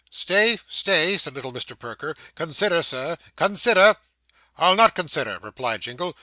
'Stay, stay,' said little Mr. Perker. 'Consider, Sir, consider.' 'I'll not consider,' replied Jingle.